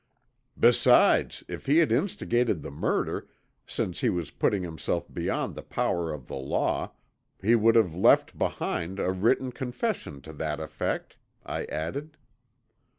"Besides, if he had instigated the murder, since he was putting himself beyond the power of the law, he would have left behind a written confession to that effect," I added.